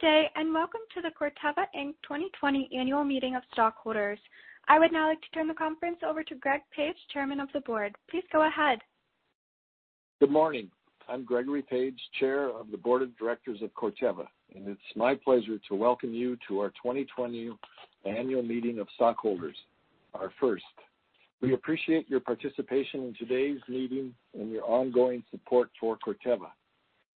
Good day. Welcome to the Corteva, Inc. 2020 Annual Meeting of Stockholders. I would now like to turn the conference over to Greg Page, Chairman of the Board. Please go ahead. Good morning. I'm Gregory Page, Chair of the Board of Directors of Corteva, and it's my pleasure to welcome you to our 2020 Annual Meeting of Stockholders, our first. We appreciate your participation in today's meeting and your ongoing support for Corteva.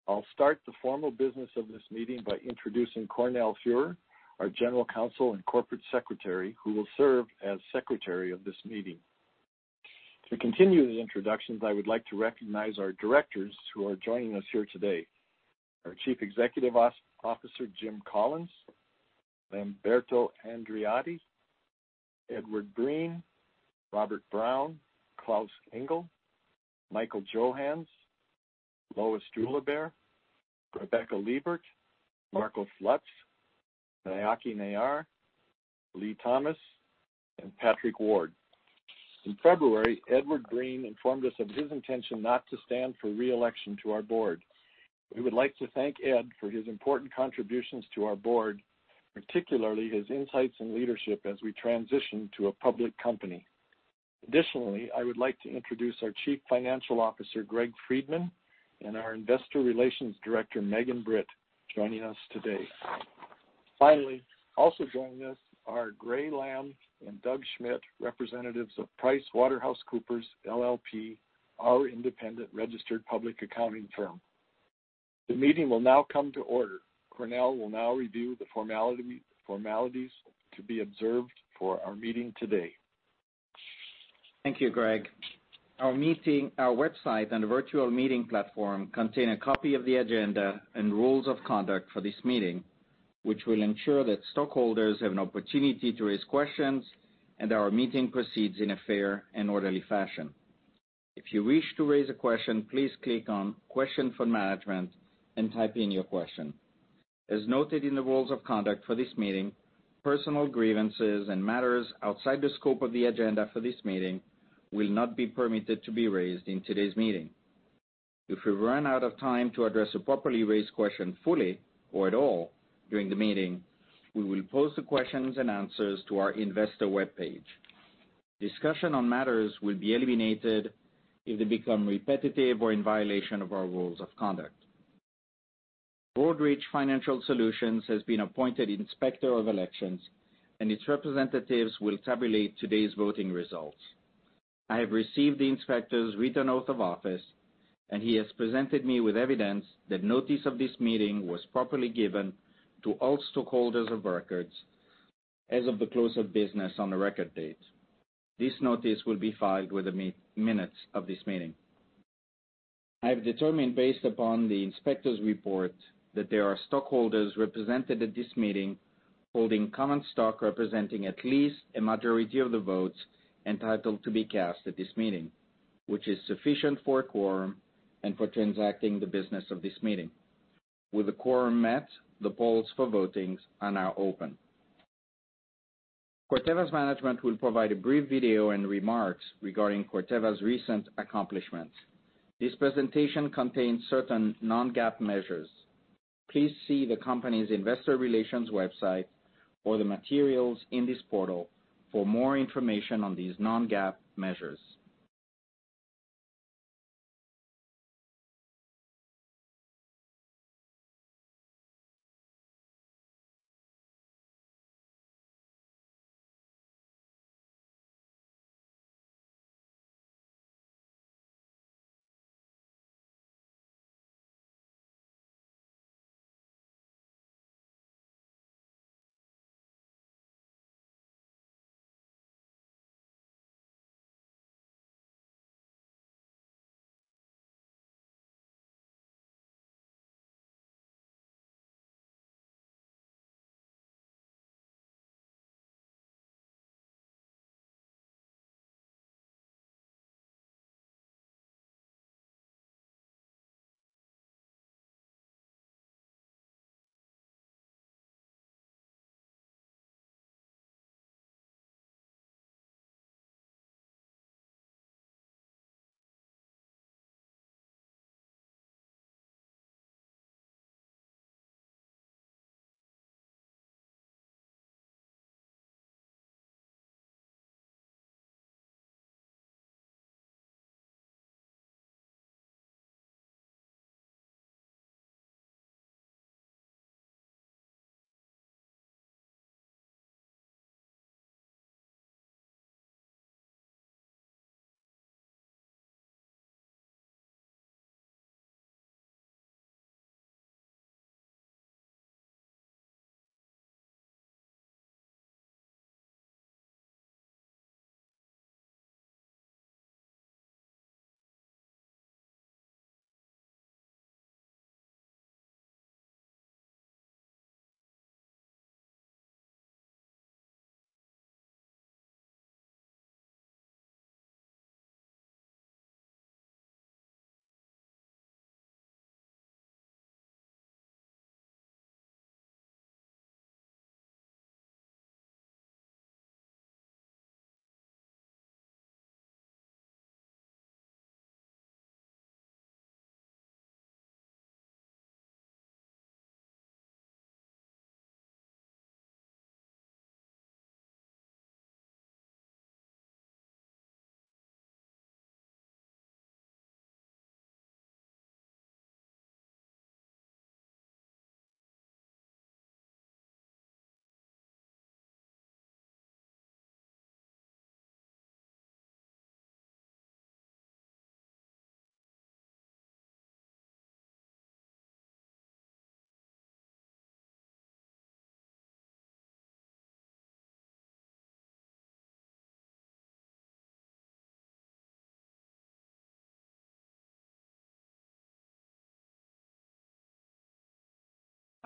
I'll start the formal business of this meeting by introducing Cornel Fuerer, our General Counsel and Corporate Secretary, who will serve as Secretary of this meeting. To continue the introductions, I would like to recognize our Directors who are joining us here today. Our Chief Executive Officer, Jim Collins, Lamberto Andreotti, Edward Breen, Robert Brown, Klaus Engel, Michael Johanns, Lois Juliber, Rebecca Liebert, Marcos Lutz, Nayaki Nayyar, Lee Thomas, and Patrick Ward. In February, Edward Breen informed us of his intention not to stand for re-election to our Board. We would like to thank Ed for his important contributions to our board, particularly his insights and leadership as we transition to a public company. Additionally, I would like to introduce our Chief Financial Officer, Greg Friedman, and our Investor Relations Director, Megan Britt, joining us today. Finally, also joining us are Gray Lamb and Doug Schmidt, representatives of PricewaterhouseCoopers LLP, our independent registered public accounting firm. The meeting will now come to order. Cornel will now review the formalities to be observed for our meeting today. Thank you, Greg. Our website and virtual meeting platform contain a copy of the agenda and rules of conduct for this meeting, which will ensure that stockholders have an opportunity to ask questions and our meeting proceeds in a fair and orderly fashion. If you wish to raise a question, please click on Question for Management and type in your question. As noted in the rules of conduct for this meeting, personal grievances and matters outside the scope of the agenda for this meeting will not be permitted to be raised in today's meeting. If we run out of time to address a properly raised question fully or at all during the meeting, we will post the questions and answers to our investor webpage. Discussion on matters will be eliminated if they become repetitive or in violation of our rules of conduct. Broadridge Financial Solutions has been appointed Inspector of Elections, and its representatives will tabulate today's voting results. I have received the inspector's written oath of office, and he has presented me with evidence that notice of this meeting was properly given to all stockholders of records as of the close of business on the record date. This notice will be filed with the minutes of this meeting. I have determined based upon the inspector's report that there are stockholders represented at this meeting holding common stock representing at least a majority of the votes entitled to be cast at this meeting, which is sufficient for a quorum and for transacting the business of this meeting. With the quorum met, the polls for voting are now open. Corteva's management will provide a brief video and remarks regarding Corteva's recent accomplishments. This presentation contains certain non-GAAP measures. Please see the company's investor relations website or the materials in this portal for more information on these non-GAAP measures.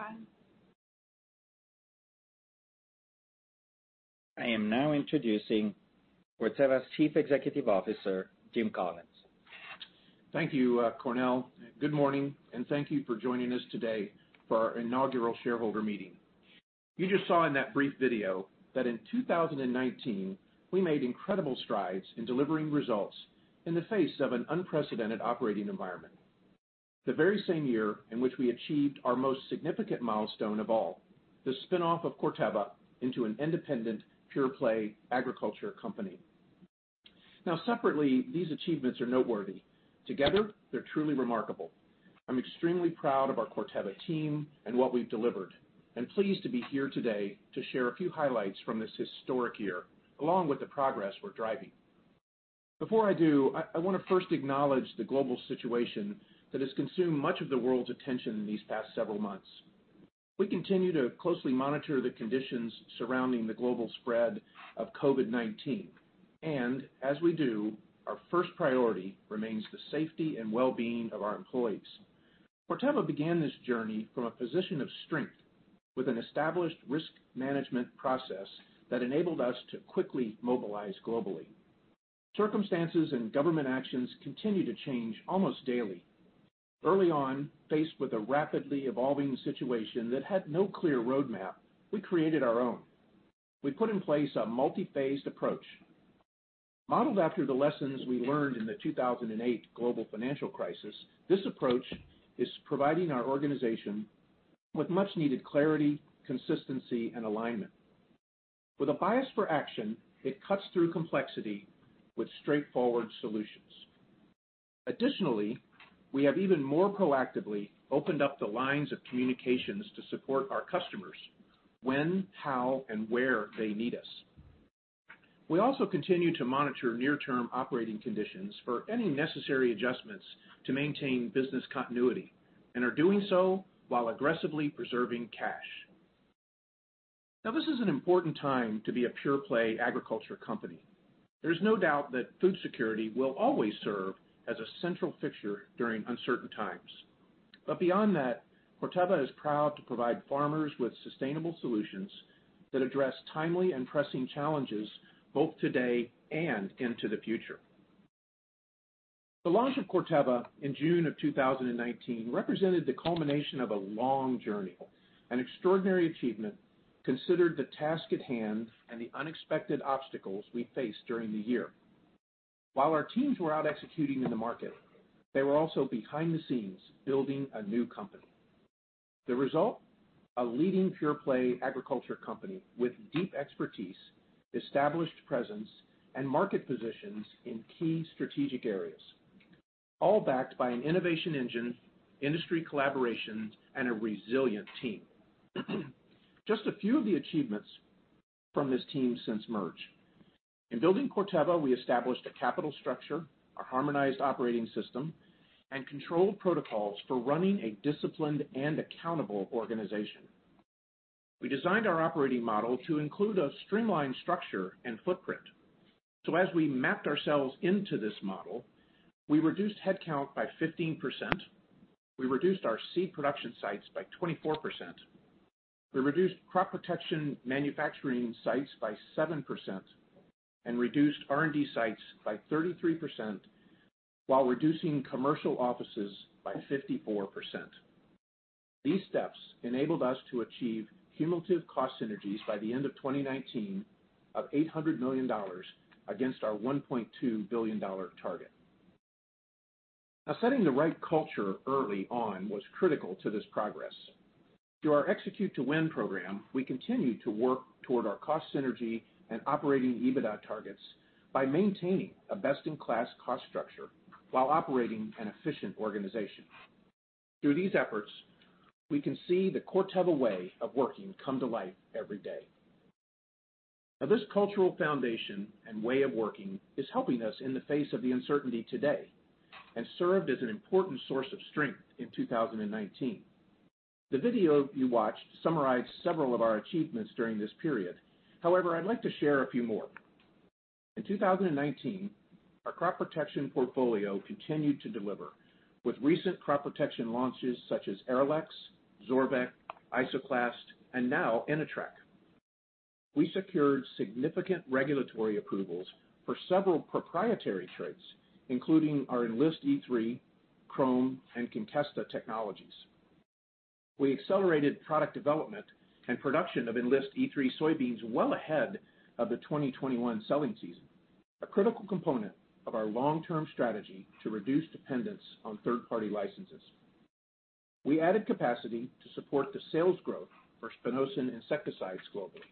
Fine I am now introducing Corteva's Chief Executive Officer, James C. Collins Jr. Thank you, Cornel. Good morning, and thank you for joining us today for our inaugural shareholder meeting. You just saw in that brief video that in 2019, we made incredible strides in delivering results in the face of an unprecedented operating environment. The very same year in which we achieved our most significant milestone of all, the spinoff of Corteva into an independent, pure-play agriculture company. Separately, these achievements are noteworthy. Together, they're truly remarkable. I'm extremely proud of our Corteva team and what we've delivered and pleased to be here today to share a few highlights from this historic year, along with the progress we're driving. Before I do, I want to first acknowledge the global situation that has consumed much of the world's attention these past several months. We continue to closely monitor the conditions surrounding the global spread of COVID-19. As we do, our first priority remains the safety and well-being of our employees. Corteva began this journey from a position of strength with an established risk management process that enabled us to quickly mobilize globally. Circumstances and government actions continue to change almost daily. Early on, faced with a rapidly evolving situation that had no clear roadmap, we created our own. We put in place a multi-phased approach. Modeled after the lessons we learned in the 2008 global financial crisis, this approach is providing our organization with much needed clarity, consistency, and alignment. With a bias for action, it cuts through complexity with straightforward solutions. Additionally, we have even more proactively opened up the lines of communications to support our customers when, how, and where they need us. We also continue to monitor near-term operating conditions for any necessary adjustments to maintain business continuity and are doing so while aggressively preserving cash. This is an important time to be a pure-play agriculture company. There's no doubt that food security will always serve as a central fixture during uncertain times. Beyond that, Corteva is proud to provide farmers with sustainable solutions that address timely and pressing challenges both today and into the future. The launch of Corteva in June of 2019 represented the culmination of a long journey, an extraordinary achievement considered the task at hand, and the unexpected obstacles we faced during the year. While our teams were out executing in the market, they were also behind the scenes building a new company. The result, a leading pure-play agriculture company with deep expertise, established presence, and market positions in key strategic areas, all backed by an innovation engine, industry collaboration, and a resilient team. Just a few of the achievements from this team since merge. In building Corteva, we established a capital structure, a harmonized operating system, and control protocols for running a disciplined and accountable organization. We designed our operating model to include a streamlined structure and footprint. As we mapped ourselves into this model, we reduced headcount by 15%. We reduced our seed production sites by 24%. We reduced crop protection manufacturing sites by 7% and reduced R&D sites by 33%, while reducing commercial offices by 54%. These steps enabled us to achieve cumulative cost synergies by the end of 2019 of $800 million against our $1.2 billion target. Setting the right culture early on was critical to this progress. Through our Execute to Win program, we continue to work toward our cost synergy and operating EBITDA targets by maintaining a best-in-class cost structure while operating an efficient organization. Through these efforts, we can see the Corteva way of working come to life every day. This cultural foundation and way of working is helping us in the face of the uncertainty today and served as an important source of strength in 2019. The video you watched summarized several of our achievements during this period. I'd like to share a few more. In 2019, our crop protection portfolio continued to deliver with recent crop protection launches such as Arylex, Zorvec, Isoclast, and now Inatreq. We secured significant regulatory approvals for several proprietary traits, including our Enlist E3, Qrome, and Conkesta technologies. We accelerated product development and production of Enlist E3 soybeans well ahead of the 2021 selling season, a critical component of our long-term strategy to reduce dependence on third-party licenses. We added capacity to support the sales growth for spinosyn insecticides globally.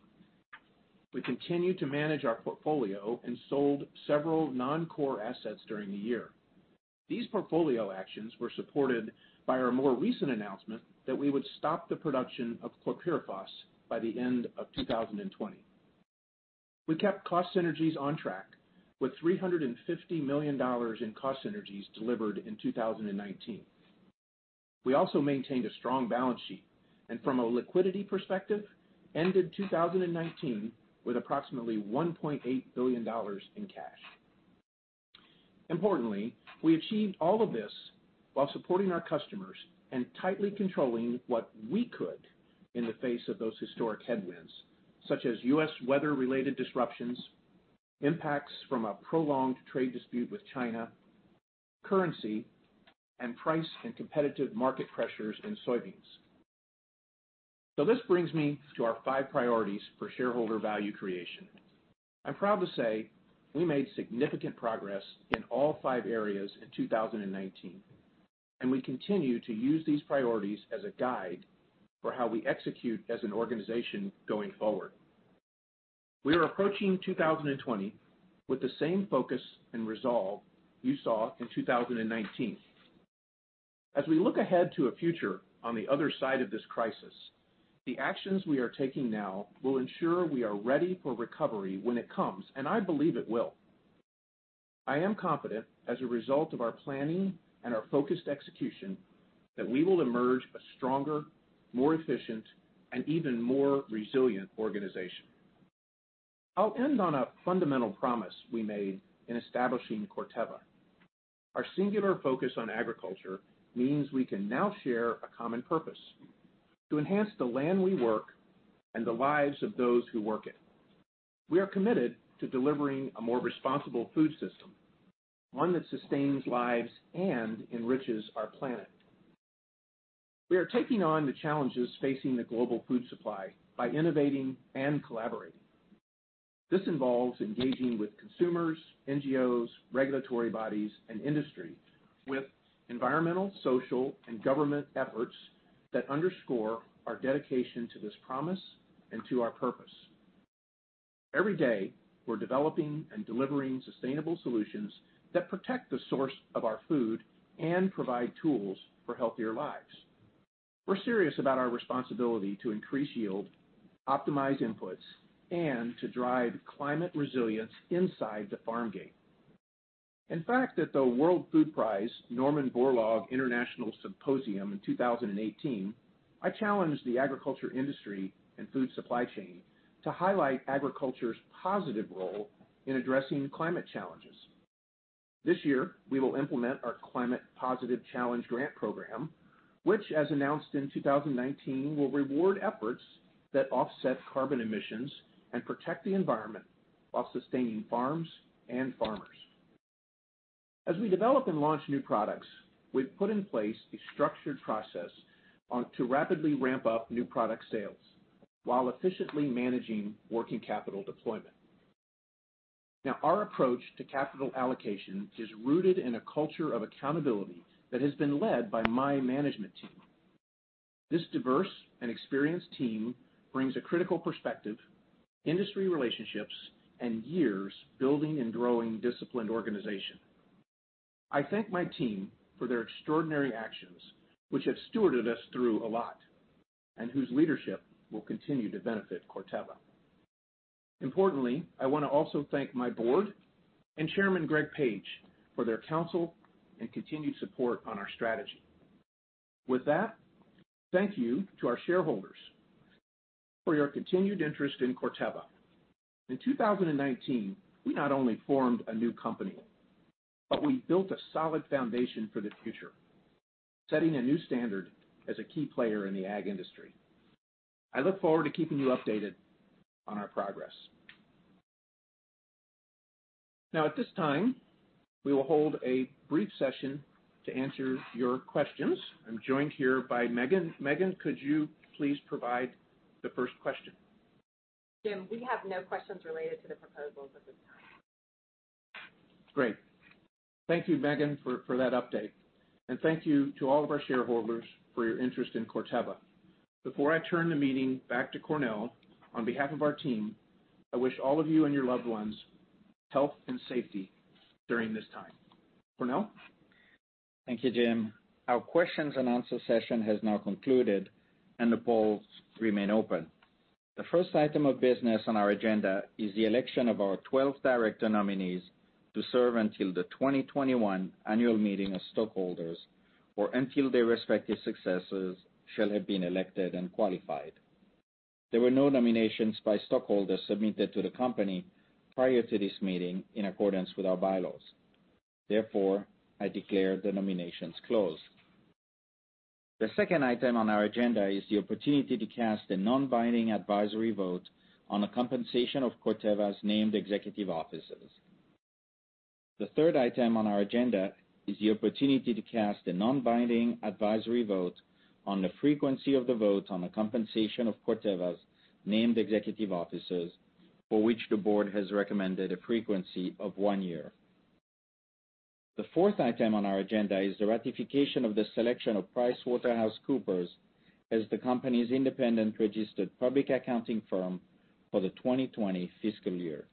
We continued to manage our portfolio and sold several non-core assets during the year. These portfolio actions were supported by our more recent announcement that we would stop the production of chlorpyrifos by the end of 2020. We kept cost synergies on track with $350 million in cost synergies delivered in 2019. We also maintained a strong balance sheet, and from a liquidity perspective, ended 2019 with approximately $1.8 billion in cash. Importantly, we achieved all of this while supporting our customers and tightly controlling what we could in the face of those historic headwinds, such as U.S. weather-related disruptions, impacts from a prolonged trade dispute with China, currency, and price and competitive market pressures in soybeans. This brings me to our five priorities for shareholder value creation. I'm proud to say we made significant progress in all five areas in 2019, and we continue to use these priorities as a guide for how we execute as an organization going forward. We are approaching 2020 with the same focus and resolve you saw in 2019. As we look ahead to a future on the other side of this crisis, the actions we are taking now will ensure we are ready for recovery when it comes, and I believe it will. I am confident, as a result of our planning and our focused execution, that we will emerge a stronger, more efficient, and even more resilient organization. I'll end on a fundamental promise we made in establishing Corteva. Our singular focus on agriculture means we can now share a common purpose to enhance the land we work and the lives of those who work it. We are committed to delivering a more responsible food system, one that sustains lives and enriches our planet. We are taking on the challenges facing the global food supply by innovating and collaborating. This involves engaging with consumers, NGOs, regulatory bodies, and industry with environmental, social, and government efforts that underscore our dedication to this promise and to our purpose. Every day, we're developing and delivering sustainable solutions that protect the source of our food and provide tools for healthier lives. We're serious about our responsibility to increase yield, optimize inputs, and to drive climate resilience inside the farm gate. At the World Food Prize Norman E. Borlaug International Symposium in 2018, I challenged the agriculture industry and food supply chain to highlight agriculture's positive role in addressing climate challenges. This year, we will implement our Climate Positive Challenge grant program, which, as announced in 2019, will reward efforts that offset carbon emissions and protect the environment while sustaining farms and farmers. As we develop and launch new products, we've put in place a structured process to rapidly ramp up new product sales while efficiently managing working capital deployment. Our approach to capital allocation is rooted in a culture of accountability that has been led by my management team. This diverse and experienced team brings a critical perspective, industry relationships, and years building and growing disciplined organization. I thank my team for their extraordinary actions, which have stewarded us through a lot and whose leadership will continue to benefit Corteva. Importantly, I want to also thank my board and Chairman Greg Page for their counsel and continued support on our strategy. With that, thank you to our shareholders for your continued interest in Corteva. In 2019, we not only formed a new company, but we built a solid foundation for the future, setting a new standard as a key player in the ag industry. I look forward to keeping you updated on our progress. Now, at this time, we will hold a brief session to answer your questions. I'm joined here by Megan. Megan, could you please provide the first question? James C. Collins Jr., we have no questions related to the proposals at this time. Great. Thank you, Megan, for that update. Thank you to all of our shareholders for your interest in Corteva. Before I turn the meeting back to Cornel, on behalf of our team, I wish all of you and your loved ones health and safety during this time. Cornel? Thank you, James C. Collins Jr. Our questions-and-answer session has now concluded and the polls remain open. The first item of business on our agenda is the election of our 12 director nominees to serve until the 2021 annual meeting of stockholders or until their respective successors shall have been elected and qualified. There were no nominations by stockholders submitted to the company prior to this meeting in accordance with our bylaws. Therefore, I declare the nominations closed. The second item on our agenda is the opportunity to cast a non-binding advisory vote on the compensation of Corteva's named executive officers. The third item on our agenda is the opportunity to cast a non-binding advisory vote on the frequency of the votes on the compensation of Corteva's named executive officers for which the board has recommended a frequency of one year. The fourth item on our agenda is the ratification of the selection of PricewaterhouseCoopers as the company's independent registered public accounting firm for the 2020 fiscal year.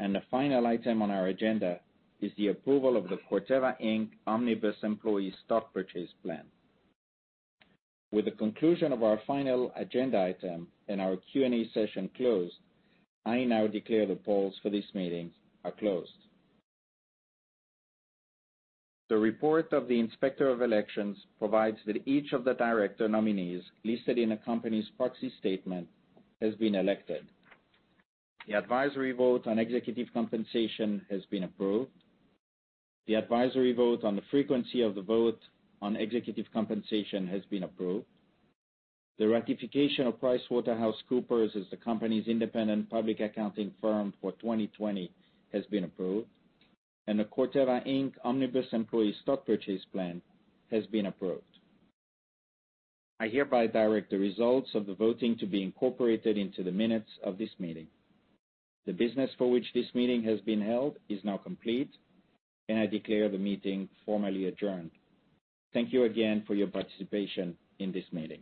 The final item on our agenda is the approval of the Corteva, Inc. Global Omnibus Employee Stock Purchase Plan. With the conclusion of our final agenda item and our Q&A session closed, I now declare the polls for this meeting are closed. The report of the Inspector of Elections provides that each of the director nominees listed in the company's proxy statement has been elected. The advisory vote on executive compensation has been approved. The advisory vote on the frequency of the vote on executive compensation has been approved. The ratification of PricewaterhouseCoopers as the company's independent public accounting firm for 2020 has been approved. The Corteva, Inc. Global Omnibus Employee Stock Purchase Plan has been approved. I hereby direct the results of the voting to be incorporated into the minutes of this meeting. The business for which this meeting has been held is now complete and I declare the meeting formally adjourned. Thank you again for your participation in this meeting.